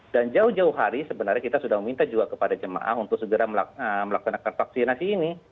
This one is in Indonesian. dan jauh jauh hari sebenarnya kita sudah meminta juga kepada jemaah untuk segera melakukan vaksinasi ini